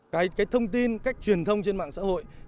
cái thông tin cách truyền thông trên mạng xã hội